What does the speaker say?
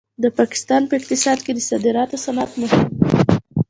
د پاکستان په اقتصاد کې د صادراتو صنعت مهم دی.